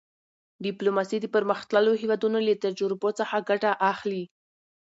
ډیپلوماسي د پرمختللو هېوادونو له تجربو څخه ګټه اخلي.